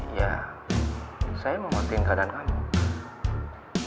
iya saya mau ngertiin keadaan kamu